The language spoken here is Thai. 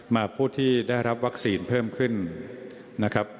ผู้ที่ได้รับวัคซีนเพิ่มขึ้นนะครับ